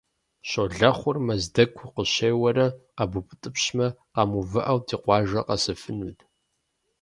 Щолэхъур Мэздэгу укъыщеуэрэ къэбутӀыпщмэ, къэмыувыӀэу, ди къуажэ къэсыфынут.